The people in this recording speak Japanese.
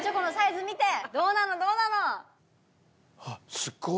どうなの？